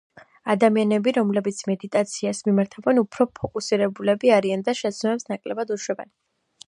ადამიანები, რომლებიც მედიტაციას მიმართავენ, უფრო ფოკუსირებულები არიან და შეცდომებს ნაკლებად უშვებენ.